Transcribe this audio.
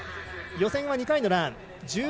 予選は２回のラン。